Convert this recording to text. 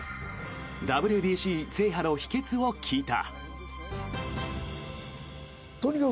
ＷＢＣ制覇の秘けつを聞いた。